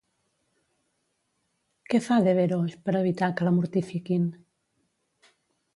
Què fa Devereaux per evitar que la mortifiquin?